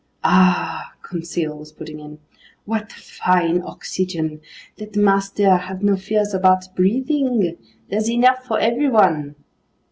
"Ahhh!" Conseil was putting in. "What fine oxygen! Let master have no fears about breathing. There's enough for everyone."